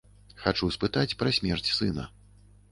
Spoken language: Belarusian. Хачу спытаць пра смерць сына.